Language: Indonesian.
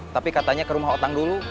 tapi katanya ke rumah otak dulu